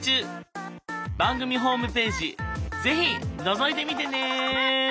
番組ホームページ是非のぞいてみてね。